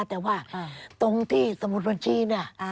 แต่ว่าตรงที่สมุดบัญชีเนี่ย